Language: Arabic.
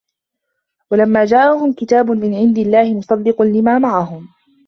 وَلَمَّا جَاءَهُمْ كِتَابٌ مِنْ عِنْدِ اللَّهِ مُصَدِّقٌ لِمَا مَعَهُمْ